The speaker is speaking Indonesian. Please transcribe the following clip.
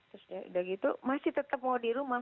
terus ya udah gitu masih tetap mau di rumah